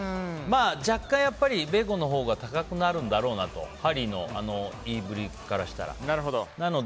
若干、ベーコンのほうが高くなるんだろうなとハリーの言いぶりからしたら。